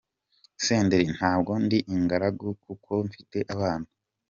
Senderi: Ntabwo ndi ingaragu kuko mfite abana.